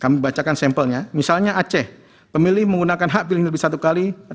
kita bisa lihat di dalam sampelnya misalnya aceh pemilih menggunakan hak pilihnya lebih dari satu kali